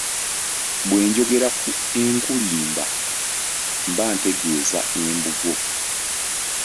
Bwe njogera ku enkulimba mba ntegeeza Embugo.